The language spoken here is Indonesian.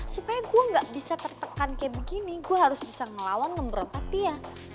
supaya gue gak bisa tertekan kayak begini gue harus bisa ngelawan memberontak dia